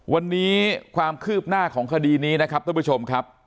วันนี้ความคืบหน้าของคดีนี้นะครับท่านผู้ชมครับ